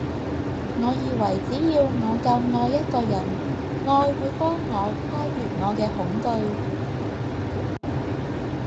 我以為只要我夠愛一個人，愛會幫我跨越我嘅恐懼